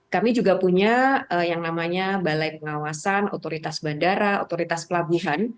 kami juga punya yang namanya balai pengawasan otoritas bandara otoritas pelabuhan